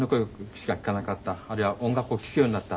あるいは音楽を聴くようになった。